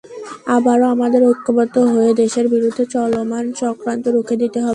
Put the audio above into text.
আবারও আমাদের ঐক্যবদ্ধ হয়ে দেশের বিরুদ্ধে চলমান চক্রান্ত রুখে দিতে হবে।